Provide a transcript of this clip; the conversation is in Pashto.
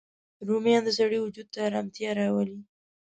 رومیان د سړی وجود ته ارامتیا راولي